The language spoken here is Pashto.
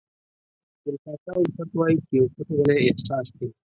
ګل پاچا الفت وایي چې پو پټ غلی احساس دی.